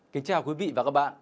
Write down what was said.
kính chào quý vị và các bạn